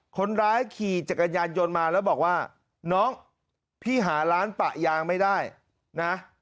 คนร้ายขี่จักรยานยนต์มาแล้วบอกว่าน้องพี่หาร้านปะยางไม่ได้นะ